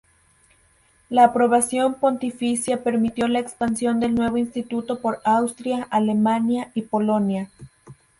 La aprobación pontificia permitió la expansión del nuevo instituto por Austria, Alemania y Polonia.